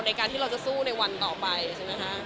ในการที่เราจะสู้ในวันต่อไปใช่ไหมคะ